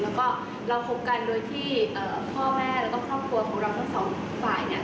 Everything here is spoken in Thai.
แล้วก็เราคบกันโดยที่พ่อแม่แล้วก็ครอบครัวของเราทั้งสองฝ่ายเนี่ย